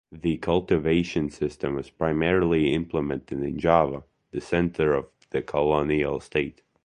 The cultivation system was primarily implemented in Java, the center of the colonial state.